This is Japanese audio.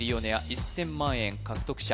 １０００万円獲得者